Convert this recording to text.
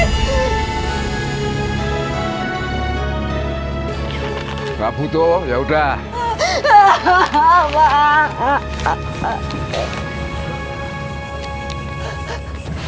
saya sudah buka ya sudah